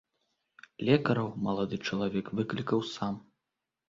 Лекараў малады чалавек выклікаў сам.